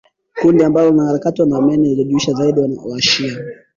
kundi ambalo wanaharakati wanaamini lilijumuisha zaidi washia